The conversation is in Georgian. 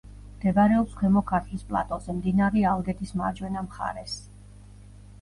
მდებარეობს ქვემო ქართლის პლატოზე, მდინარე ალგეთის მარჯვენა მხარეს.